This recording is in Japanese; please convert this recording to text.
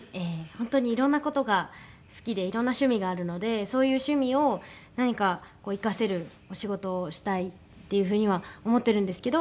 本当にいろんな事が好きでいろんな趣味があるのでそういう趣味を何か生かせるお仕事をしたいっていう風には思ってるんですけど